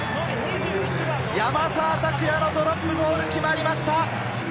山沢拓也のドロップゴールが決まりました！